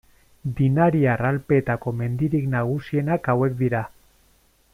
Dinariar Alpeetako mendirik nagusienak hauek dira.